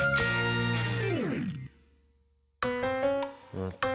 えっと